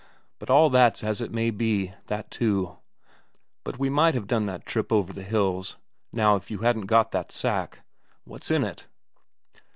But all that's as it may be, that too; but we might have done that trip over the hills now if you hadn't got that sack. What's in it?"